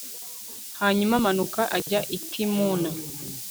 hanyuma amanuka ajya i timuna